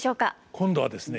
今度はですね